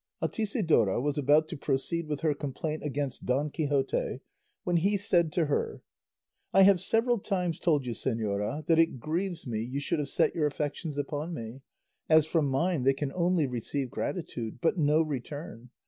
Altisidora was about to proceed with her complaint against Don Quixote, when he said to her, "I have several times told you, señora, that it grieves me you should have set your affections upon me, as from mine they can only receive gratitude, but no return.